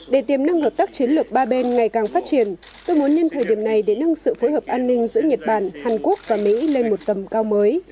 để tiềm năng hợp tác chiến lược ba bên ngày càng phát triển tôi muốn nhân thời điểm này để nâng sự phối hợp an ninh giữa nhật bản hàn quốc và mỹ lên một tầm cao mới